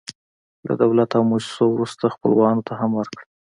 له دولت او موسسو وروسته، خپلوانو ته هم ورکړه.